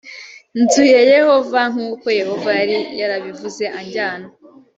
nzu ya yehova nk uko yehova yari yarabivuze ajyana